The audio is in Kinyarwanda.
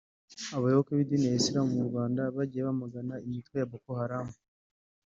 Abayoboke b’idini rya Isilamu mu Rwanda bagiye bamagana imitwe ya Boko Haram